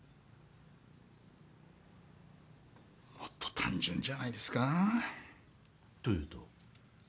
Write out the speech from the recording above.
もっと単純じゃないですか。というと？